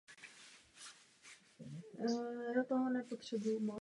Obsahoval mnoho dříve nevydaných skladeb a také zbrusu novou skladbu „Twenty One“.